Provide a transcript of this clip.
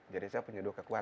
jadi saya punya dua kekuatan